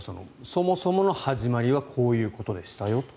そもそもの始まりはこういうことでしたよと。